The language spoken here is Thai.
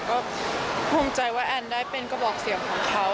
ก็ภูมิใจว่าแอนได้เป็นกระบอกเสียงของเขา